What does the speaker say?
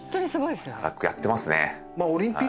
長くやってますね。